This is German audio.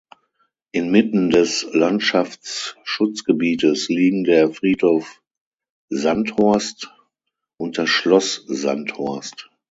Inmitten des Landschaftsschutzgebietes liegen der Friedhof Sandhorst und das Schloss Sandhorst.